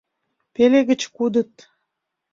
Пеле гыч кудыт.